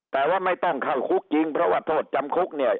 แต่ว่าไม่ต้องเข้าคุกจริงเพราะว่าโทษจำคุกเนี่ย